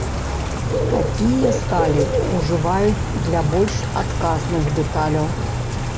Такія сталі ўжываюць для больш адказных дэталяў.